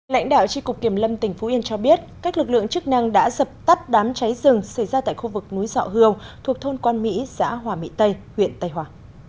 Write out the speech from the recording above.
lãnh đạo tri cục kiểm lâm tỉnh phú yên cho biết các lực lượng chức năng đã dập tắt đám cháy rừng xảy ra tại khu vực núi dọ hương thuộc thôn quan mỹ xã hòa mỹ tây huyện tây hòa